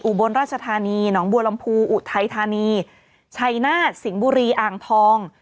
บนราชธานีหนองบัวลำพูอุทัยธานีชัยนาฏสิงห์บุรีอ่างทอง